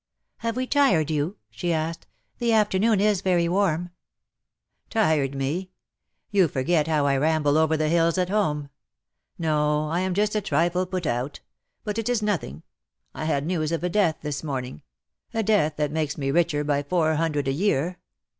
"Have we tired you?" she asked. "The afternoon is very warm." " Tired me ! You forget how I ramble over the hills at home. No ; I am just a trifle put out — but it is nothing. I had news of a death this morning — a death that makes me richer by four hundred a year.